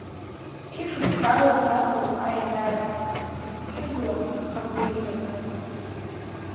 Зқьы шықәсала саҵоуп аиадара, исцәырӡуа схақәиҭра.